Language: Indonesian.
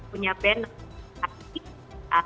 punya band artis dan